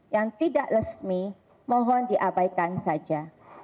yang tidak resmi mohon diabaikan saja